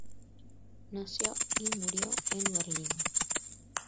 Nació y murió en Berlín.